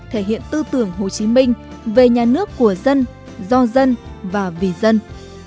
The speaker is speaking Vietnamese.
thể hiện tư tưởng hồ chí minh về nhà nước của dân do dân và vì dân